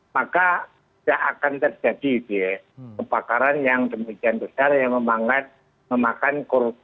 maka tidak akan terjadi kebakaran yang demikian besar yang memanggat memakan korban